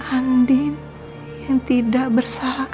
andin yang tidak bersalah karena fitnah